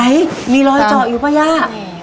มีรอยเจาะอยู่ป่ะย่า